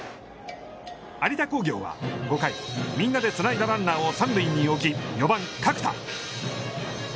有田工業は５回みんなでつないだランナーを３塁に置き４番角田。